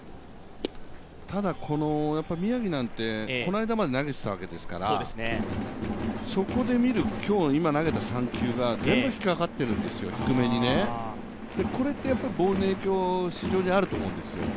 ただ、宮城なんてこの間まで投げてたわけですからそこで見る、今日今投げた３球が、全部引っ掛かっているんですよ、低めにね、これってボールの影響はあると思うんですよ。